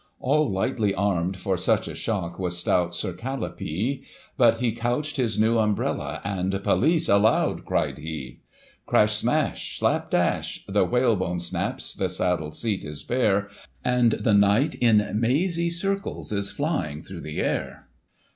All lightly armed for such a shock was stout Sir Calipee, But he couched his new umbrella, and " Police " aloud cried he ! Crash — smash — slap dash ! The whalebone snaps, the saddle seat is bare, And the Knight, in mazy circles, is flying thro' the air